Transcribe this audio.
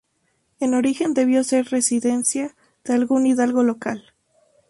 En origen debió ser residencia de algún hidalgo local.